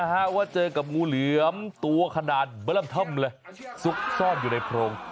เพราะว่าเจอกับงูเหลือมตัวขนาดบรรท่ำเลยซุกซ่อนอยู่ในโพรง